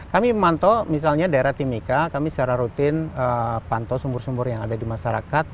kami memantau misalnya daerah timika kami secara rutin pantau sumur sumur yang ada di masyarakat